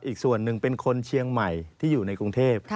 อีกส่วนหนึ่งเป็นคนเชียงใหม่ที่อยู่ในกรุงเทพ